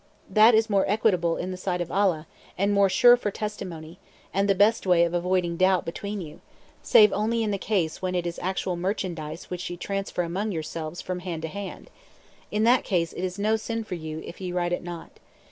That is more equitable in the sight of Allah and more sure for testimony, and the best way of avoiding doubt between you; save only in the case when it is actual merchandise which ye transfer among yourselves from hand to hand. In that case it is no sin for you if ye write it not.